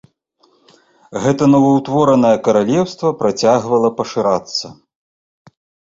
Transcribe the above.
Гэта новаўтворанае каралеўства працягвала пашырацца.